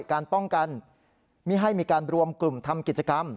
การป้องกันไม่ให้มีการรวมกลุ่มทำกิจกรรม